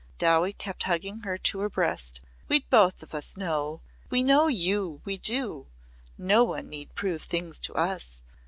Dowie kept hugging her to her breast "We'd both of us know! We know you we do! No one need prove things to us.